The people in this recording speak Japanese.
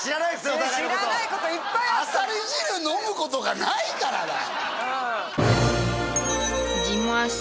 お互いのことあさり汁飲むことがないからだ